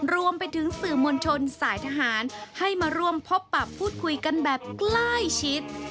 รวมไปถึงสื่อมวลชนสายทหารให้มาร่วมพบปรับพูดคุยกันแบบใกล้ชิด